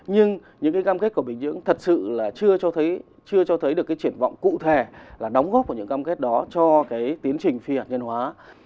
nhưng những cam kết của bình nhưỡng thật sự là chưa cho thấy được cái triển vọng cụ thể là đóng góp vào những cam kết đó cho cái tiến trình phiền nhân hóa